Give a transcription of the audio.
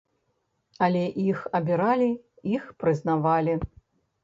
Але іх абіралі, іх прызнавалі.